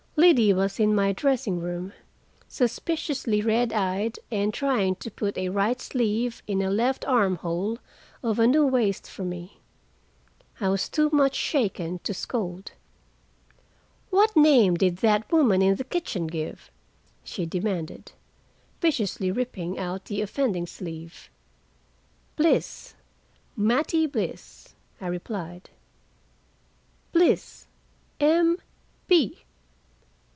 Liddy was in my dressing room, suspiciously red eyed, and trying to put a right sleeve in a left armhole of a new waist for me. I was too much shaken to scold. "What name did that woman in the kitchen give?" she demanded, viciously ripping out the offending sleeve. "Bliss. Mattie Bliss," I replied. "Bliss. M. B.